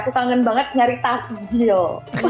aku kangen banget nyari takjil